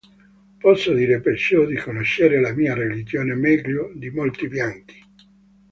Posso dire perciò di conoscere la mia religione meglio di molti bianchi.